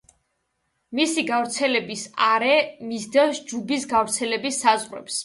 მისი გავრცელების არე მისდევს ჯუბის გავრცელების საზღვრებს.